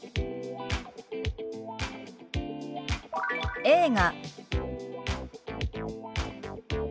「映画」。